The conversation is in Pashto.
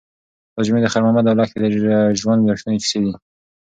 دا جملې د خیر محمد او لښتې د ژوند رښتونې کیسې دي.